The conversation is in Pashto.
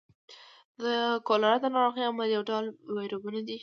د کولرا د نارغۍ عامل یو ډول ویبریون دی.